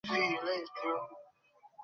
বলো যে আমরা সবাই মরতে যাচ্ছি!